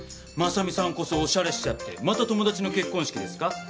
真実さんこそおしゃれしちゃってまた友達の結婚式ですか？